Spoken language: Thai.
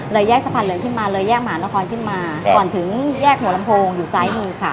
แยกสะพานเหลืองขึ้นมาเลยแยกหมานครขึ้นมาก่อนถึงแยกหัวลำโพงอยู่ซ้ายมือค่ะ